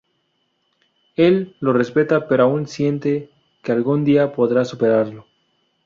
Él lo respeta, pero aún siente que algún día podrá superarlo.